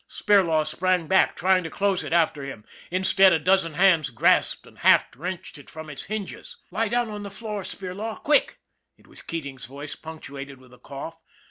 Spirlaw sprang back, trying to close it after him; instead, a dozen hands grasped and half wrenched it from its hinges. "Lie down on the floor, Spirlaw, quick!" it was Keating's voice, punctuated with a cough.